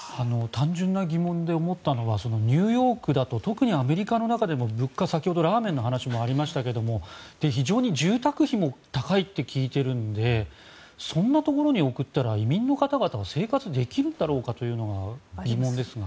単純な疑問で思ったのはニューヨークだと特にアメリカの中でも物価は先ほどラーメンの話もありましたけど非常に住宅費も高いと聞いているんでそんなところに送ったら移民の方々は生活できるんだろうかというのが疑問ですが。